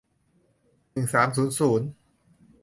หนึ่งสามศูนย์ศูนย์